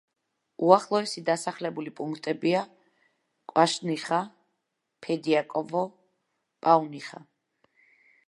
უახლოესი დასახლებული პუნქტებია: კვაშნიხა, ფედიაკოვო, პაუნიხა.